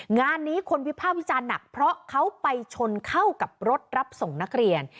งานนี้คนวิภาควิจารณ์หนักเพราะเขาไปชนเข้ากับรถรับส่งนักเรียน